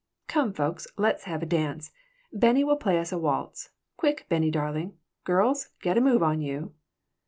"Come, folks, let's have a dance. Bennie will play us a waltz. Quick, Bennie darling! Girls, get a move on you!"